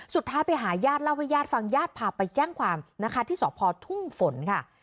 สุดท้ายไปหาญาติเล่าให้ญาติฟังญาติพาไปแจ้งความนะคะที่สพทุ่งฝนค่ะ